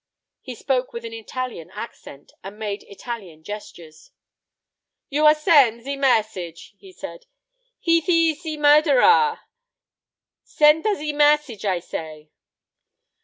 He spoke with an Italian accent, and made Italian gestures. "You a send ze mes sage," he said; "Heath ees ze murder are. Send a ze mes sage, I say."